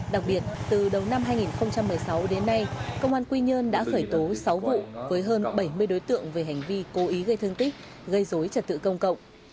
đặc biệt từ đầu năm hai nghìn một mươi sáu đến nay công an quy nhơn đã khởi tố sáu vụ với hơn bảy mươi đối tượng về hành vi cố ý gây thương tích gây dối trật tự công cộng